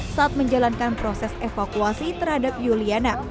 saat menjalankan proses evakuasi terhadap yuliana